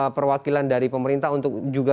perwakilan dari pemerintah untuk juga